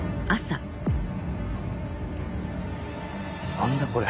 何だこれ。